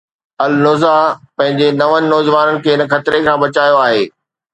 النهضه پنهنجي نون نوجوانن کي ان خطري کان بچايو آهي.